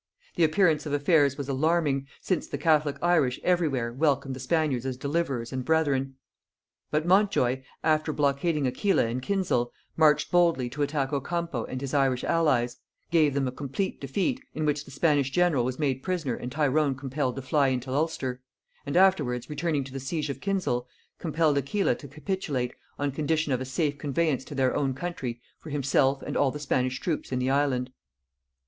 The appearance of affairs was alarming, since the catholic Irish every where welcomed the Spaniards as deliverers and brethren: but Montjoy, after blockading Aquila in Kinsale, marched boldly to attack Ocampo and his Irish allies; gave them a complete defeat, in which the Spanish general was made prisoner and Tyrone compelled to fly into Ulster; and afterwards returning to the siege of Kinsale, compelled Aquila to capitulate on condition of a safe conveyance to their own country for himself and all the Spanish troops in the island.